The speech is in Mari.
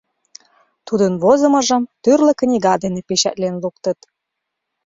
Тудын возымыжым тӱрлӧ книга дене печатлен луктыт.